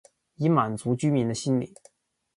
以满足居民的心灵